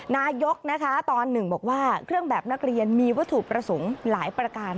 นายกนะคะตอน๑บอกว่าเครื่องแบบนักเรียนมีวัตถุประสงค์หลายประการ